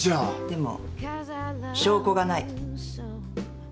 でも証拠がない。